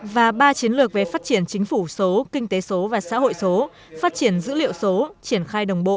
và ba chiến lược về phát triển chính phủ số kinh tế số và xã hội số phát triển dữ liệu số triển khai đồng bộ